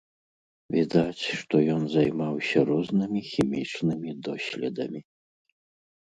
Відаць, што ён займаўся рознымі хімічнымі доследамі.